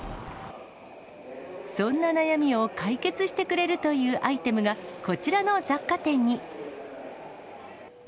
そんな悩みを解決してくれるというアイテムがこちらの雑貨店に。